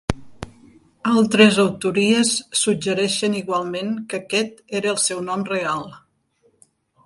Altres autories suggereixen igualment que aquest era el seu nom real.